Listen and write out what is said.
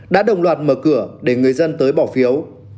đã đồng loạt mở cửa để người dân tới bỏ phiếu